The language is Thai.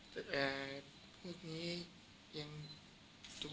แต่พรุ่งนี้ยังต้อง